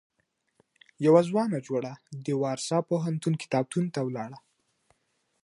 يوه ځوانه جوړه د وارسا پوهنتون کتابتون ته ولاړه.